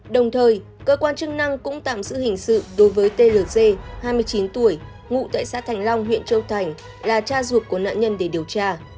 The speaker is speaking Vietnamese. đồng thời cơ quan chức năng cũng tạm giữ hình sự đối với tg hai mươi chín tuổi ngụ tại xã thành long huyện châu thành là cha ruột của nạn nhân để điều tra